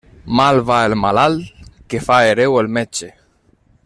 Mal va el malalt que fa hereu el metge.